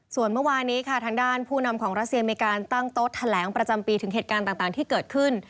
ส่วนเมื่อวานี้ค่ะทางด้านผู้นำของรัสเซียมีการตั้งโต๊ะแถลงประจำปีถึงเหตุการณ์ต่างที่เกิดขึ้น